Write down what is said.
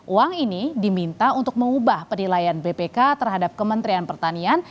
uang ini diminta untuk mengubah penilaian bpk terhadap kementerian pertanian